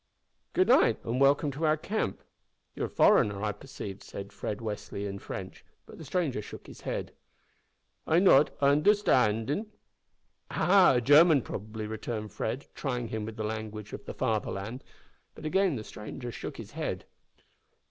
"Good night, and welcome to our camp. You are a foreigner, I perceive," said Fred Westly in French, but the stranger shook his head. "I not un'erstan'." "Ah! a German, probably," returned Fred, trying him with the language of the Fatherland; but again the stranger shook his head.